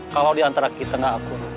kalau di antara kita nggak akur